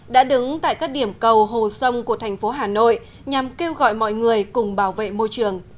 đã đứng tại các điểm cầu hồ sông của thành phố hà nội nhằm kêu gọi mọi người cùng bảo vệ môi trường